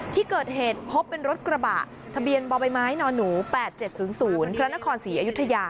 ที่เกิดเหตุพบเป็นรถกระบะทะเบียนบมนหนู๘๗๐๐พศอยุธยา